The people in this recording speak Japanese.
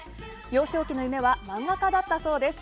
幼少期の夢は漫画家だったそうです。